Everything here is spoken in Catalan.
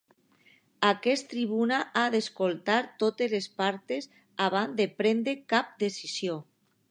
Aquest tribunal ha d’escoltar totes les parts abans de prendre cap decisió.